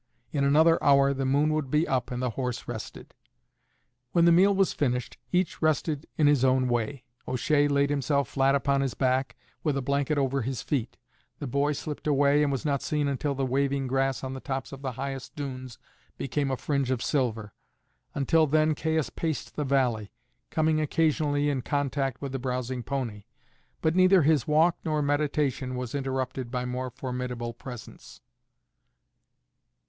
In another hour the moon would be up and the horse rested. When the meal was finished, each rested in his own way. O'Shea laid himself flat upon his back, with a blanket over his feet. The boy slipped away, and was not seen until the waving grass on the tops of the highest dunes became a fringe of silver. Until then Caius paced the valley, coming occasionally in contact with the browsing pony; but neither his walk nor meditation was interrupted by more formidable presence.